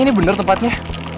ini bener tempatnya